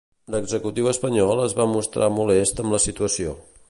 L'Executiu espanyol es va mostrar molest amb la situació.